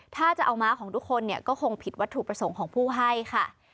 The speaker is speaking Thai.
ถ้าจะเอาม้าของทุกคนเนี่ยก็คงผิดวัตถุประสงค์ของผู้ให้ค่ะ